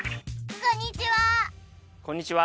こんにちは！